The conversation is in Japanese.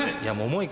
重い？